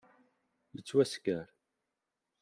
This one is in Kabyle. Yettwasker.